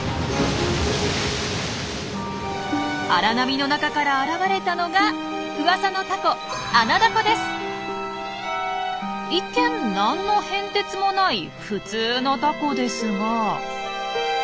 荒波の中から現れたのが噂のタコ一見何の変哲もない普通のタコですが。